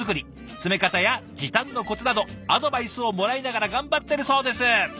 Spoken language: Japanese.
詰め方や時短のコツなどアドバイスをもらいながら頑張ってるそうです。